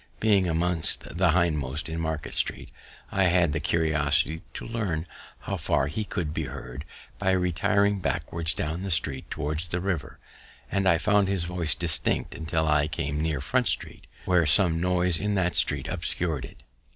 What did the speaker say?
Being among the hindmost in Market street, I had the curiosity to learn how far he could be heard, by retiring backwards down the street towards the river; and I found his voice distinct till I came near Front street, when some noise in that street obscur'd it.